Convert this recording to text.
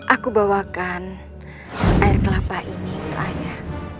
aku bawakan air kelapa ini untuk